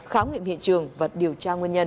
kháo nghiệm hiện trường và điều tra nguyên nhân